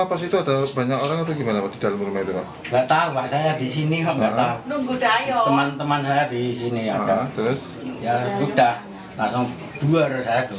ya sudah langsung dua orang saya keluar